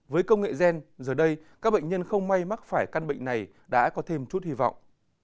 với công nghệ gen giờ đây các bệnh nhân không may mắc phải căn bệnh này đã có thêm chút hy vọng